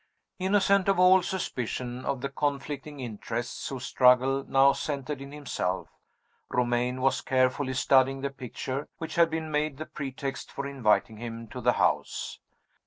Innocent of all suspicion of the conflicting interests whose struggle now centered in himself, Romayne was carefully studying the picture which had been made the pretext for inviting him to the house.